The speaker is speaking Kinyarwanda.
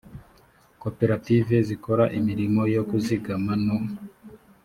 koperative zikora imirimo yo kuzigama no